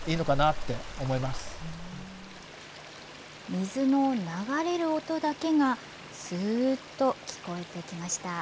水の流れる音だけが、すーっと聞こえてきました。